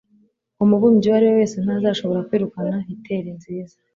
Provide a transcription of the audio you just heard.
Umubumbyi uwo ari we wese ntazashobora kwirukana hitteri nziza